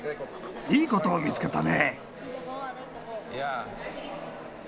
いいことを見つけたね。